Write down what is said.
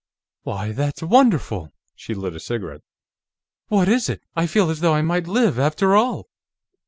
"Why, that's wonderful!" She lit a cigarette. "What is it? I feel as though I might live, after all."